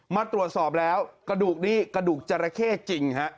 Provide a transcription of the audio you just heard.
มาตรวจสอบแล้วกระดูกนี้กระดูกจราเข้จริงฮะ